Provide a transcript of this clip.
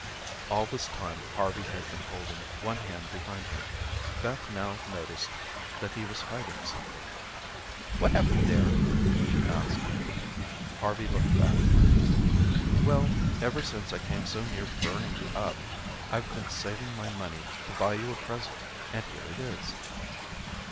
All this time, Harvey had been holding one hand behind him. Beth now noticed that he was hiding something. "What have you there?" she asked. Harvey looked bashful. "Well, ever since I came so near burning you up, I've been saving my money to buy you a present, and here it is."